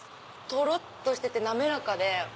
とろっとして滑らかで。